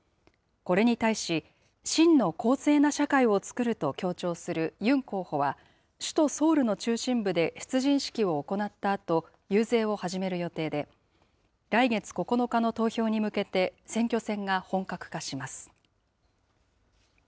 これに対し、真の公正な社会をつくると強調するユン候補は、首都ソウルの中心部で出陣式を行ったあと、遊説を始める予定で、来月９日の投票に向けて、選挙戦が本格化します。